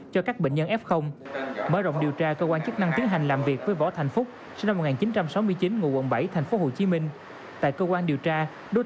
cho các bệnh viện để phục vụ chữa trị cho người bệnh trong giai đoạn hiện nay